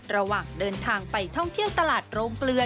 ระหว่างเดินทางไปท่องเที่ยวตลาดโรงเกลือ